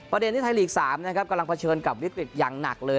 ประเด็นที่ไทยลีกสามกำลังเผชิญกับวิกฤตอย่างหนักเลย